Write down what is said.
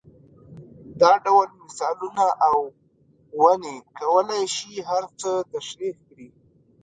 دا ډول مثالونه او ونې کولای شي هر څه تشرېح کړي.